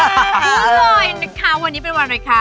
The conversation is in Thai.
พูดเลยนะคะวันนี้เป็นวันอะไรคะ